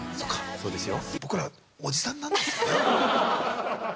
そうですよ。